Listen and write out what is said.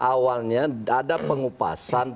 awalnya ada pengupasan